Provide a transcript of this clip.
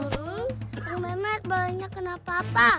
bang ya met balenya kenapa apa